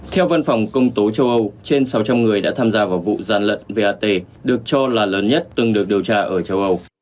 theo văn phòng công tố châu âu trên sáu trăm linh người đã tham gia vào vụ gian lận vat được cho là lớn nhất từng được điều tra ở châu âu